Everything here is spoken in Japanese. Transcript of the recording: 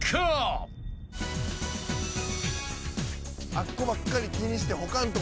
あっこばっかり気にして。